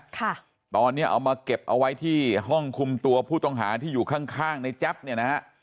ค่ะตอนเนี้ยเอามาเก็บเอาไว้ที่ห้องคุมตัวผู้ต้องหาที่อยู่ข้างข้างในแจ๊บเนี่ยนะฮะ